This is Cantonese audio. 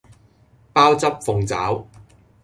鮑汁鳳爪